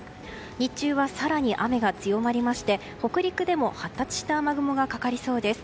日中は更に雨が強まりまして北陸でも発達した雨雲がかかりそうです。